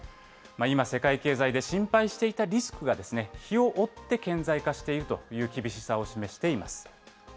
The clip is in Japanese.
今、世界経済で心配していたリスクが、日を追って顕在化しているという厳しさを示しています。